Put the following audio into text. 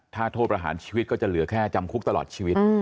ถ้าโทษประหารชีวิตก็จะเหลือแค่จำคุกตลอดชีวิต